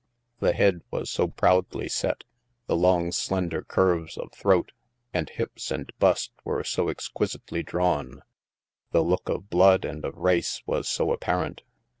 The head was so proudly set, the long slender curves of throat, and hips, and bust, were so exquisitely drawn; the look of blood and of race was so ap parent.